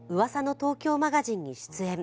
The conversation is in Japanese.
東京マガジン」に出演。